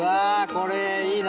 これいいな。